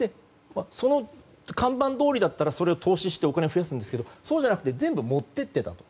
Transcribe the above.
その看板どおりだったら投資をして増やすんだけどもそうじゃなくて全部持っていっていたと。